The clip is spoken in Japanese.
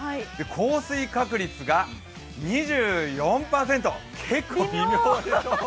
降水確率が２４％、結構微妙でしょ？